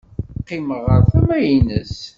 Qqimeɣ ɣer tama-nnes.